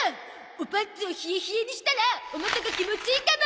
おパンツを冷え冷えにしたらお股が気持ちいいかも。